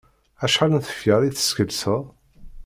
Acḥal n tefyar i teskelseḍ?